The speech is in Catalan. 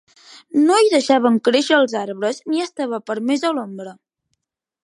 No hi deixaven créixer els arbres ni estava permesa l'ombra.